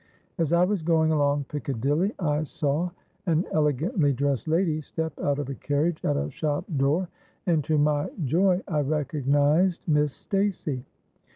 As I was going along Piccadilly, I saw an elegantly dressed lady step out of a carriage at a shop door; and to my joy I recognised Miss Stacey.